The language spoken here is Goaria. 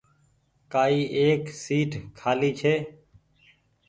ڪآئي اي سيٽ کآلي ڇي۔